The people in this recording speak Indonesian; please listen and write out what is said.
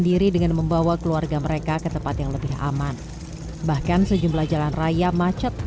diri dengan membawa keluarga mereka ke tempat yang lebih aman bahkan sejumlah jalan raya macet